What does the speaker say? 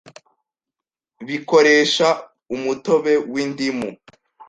bikoresha umutobe w’indimu